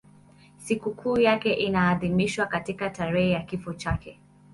Sikukuu yake inaadhimishwa katika tarehe ya kifo chake.